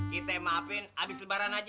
kita maafin abis lebaran aja